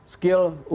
skill untuk mendengar